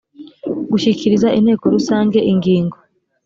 gushyikiriza inteko rusange ingingo